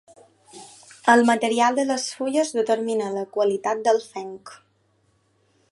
El material de les fulles determina la qualitat del fenc.